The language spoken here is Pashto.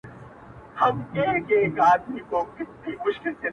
• د ميني درد کي هم خوشحاله يې، پرېشانه نه يې،